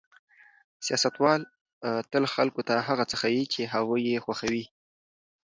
سیاستوال تل خلکو ته هغه څه ښيي چې هغوی یې خوښوي.